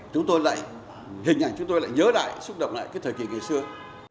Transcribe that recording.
chúng tôi lại hình ảnh chúng tôi lại nhớ lại xúc động lại cái thời kỳ ngày xưa